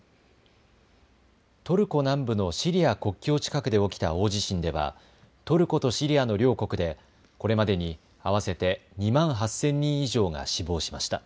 トルコ南部のシリア国境近くで起きた大地震ではトルコとシリアの両国でこれまでに合わせて２万８０００人以上が死亡しました。